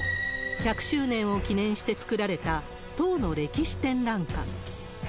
１００周年を記念して作られた党の歴史展覧館。